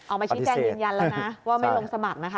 ออกมาชี้แจ้งยืนยันแล้วนะว่าไม่ลงสมัครนะคะ